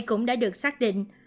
cũng đã được xác định